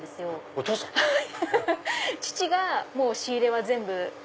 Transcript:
お父さん⁉父が仕入れは全部。